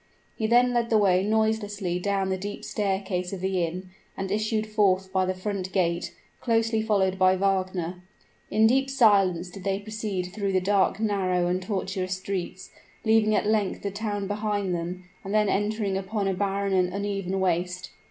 He then led the way noiselessly down the steep staircase of the inn, and issued forth by the front gate, closely followed by Wagner. In deep silence did they proceed through the dark, narrow, and tortuous streets, leaving at length the town behind them, and then entering upon a barren and uneven waste.